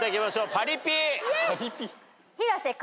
パリピ。